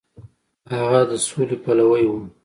هغه د سولې پلوی و.